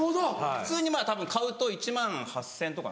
普通に買うと１万８０００円とか。